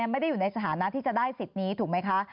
ไม่ได้อยู่ในสถานะที่จะได้สิทธิ์นี้ถูกไหมคะ